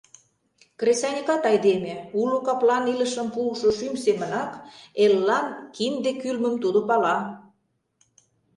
Кресаньыкат айдеме, уло каплан илышым пуышо шӱм семынак, эллан кинде кӱлмым тудо пала.